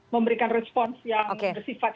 memberikan respons yang bersifat